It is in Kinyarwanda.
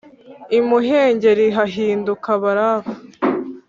imuhengeri hahinduka barafu